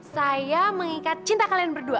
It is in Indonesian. saya mengikat cinta kalian berdua